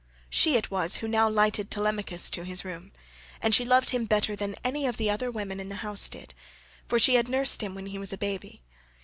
14 She it was who now lighted Telemachus to his room, and she loved him better than any of the other women in the house did, for she had nursed him when he was a baby.